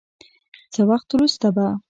څه وخت وروسته به